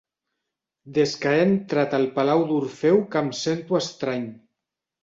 Des que he entrat al palau d'Orfeu que em sento estrany.